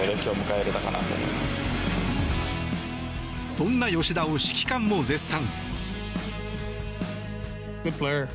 そんな吉田を指揮官も絶賛。